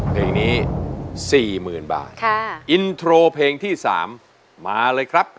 เพลงนี้สี่หมื่นบาทค่ะอินโทรเพลงที่สามมาเลยครับ